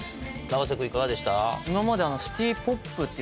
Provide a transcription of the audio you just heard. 永瀬君いかがでした？